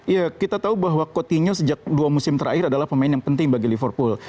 ya kita tahu bahwa coutinho sejak dua musim terakhir adalah pemain yang penting bagi liverpool